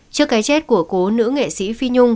trước cái chết của cố nữ nghệ sĩ phi nhung